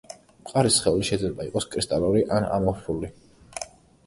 მყარი სხეული შეიძლება იყოს კრისტალური ან ამორფული.